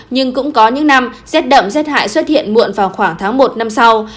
nhưng cũng có những năm rét đậm rét hại xuất hiện muộn vào khoảng tháng một năm sau